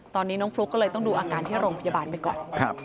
ตอนนี้น้องฟลุ๊กก็เลยต้องดูอาการที่โรงพยาบาลไปก่อน